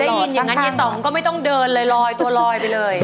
ได้ยินอย่างนั้นเยตองก็ไม่ต้องเดินเลยลอยตัวลอยไปเลย